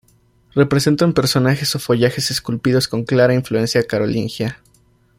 Representan personajes o follajes esculpidos con clara influencia carolingia.